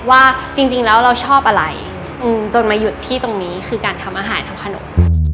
ว่าจริงแล้วเราชอบอะไรจนมาหยุดที่ตรงนี้คือการทำอาหารทำขนม